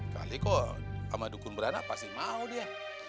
kali kok sama dukun beranak pasti mau dia